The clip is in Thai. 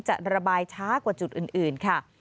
จะระบายช้ากว่าจุดอื่นค่ะ